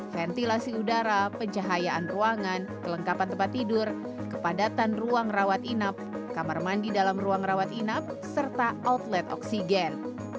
ventilasi udara pencahayaan ruangan kelengkapan tempat tidur kepadatan ruang rawat inap kamar mandi dalam ruang rawat inap serta outlet oksigen